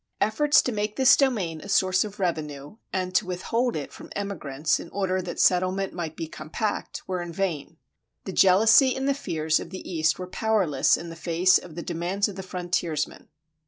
Efforts to make this domain a source of revenue, and to withhold it from emigrants in order that settlement might be compact, were in vain. The jealousy and the fears of the East were powerless in the face of the demands of the frontiersmen.